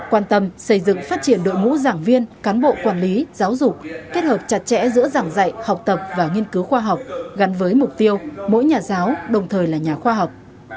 quan tâm xây dựng phát triển đội ngũ giảng viên cán bộ quản lý giáo dục kết hợp chặt chẽ giữa giảng dạy học tập và nghiên cứu khoa học gắn với mục tiêu mỗi nhà giáo đồng thời là nhà khoa học